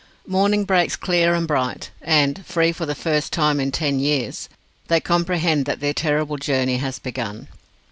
Morning breaks clear and bright, and free for the first time in ten years they comprehend that their terrible journey has begun.